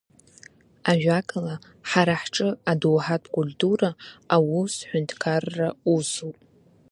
Ажәакала, ҳара ҳҿы адоуҳатә культура аус ҳәынҭқарра усуп.